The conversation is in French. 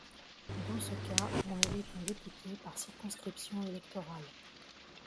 Dans ce cas on élit un député par circonscription électorale.